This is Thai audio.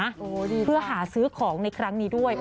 โอ้ดีจังค่ะเพื่อหาซื้อของในครั้งนี้ด้วย